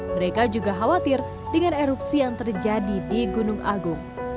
mereka juga khawatir dengan erupsi yang terjadi di gunung agung